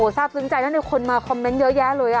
โอ้โฮทราบสึงใจนะคนมาคอมเมนต์เยอะแยะเลย